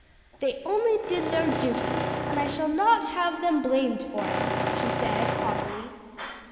"They only did their duty, and I shall not have them blamed for it," she said, haughtily.